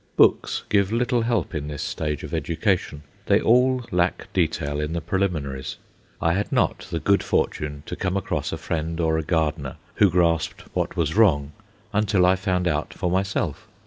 Books give little help in this stage of education; they all lack detail in the preliminaries. I had not the good fortune to come across a friend or a gardener who grasped what was wrong until I found out for myself.